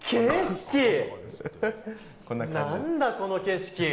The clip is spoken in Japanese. なんだこの景色！